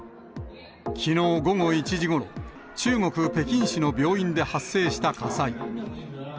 きのう午後１時ごろ、中国・北京市の病院で発生した火災。